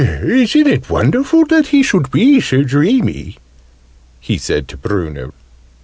"Isn't it wonderful that he should be so dreamy?" he said to Bruno.